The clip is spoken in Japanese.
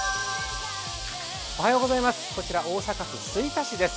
こちら大阪府吹田市です。